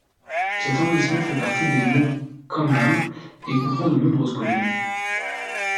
Cet arrondissement fait partie des monts Kangnam et comprend de nombreuses collines.